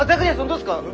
どうですか？